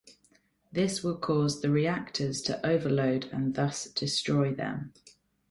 This will cause the reactors to overload and thus destroy them.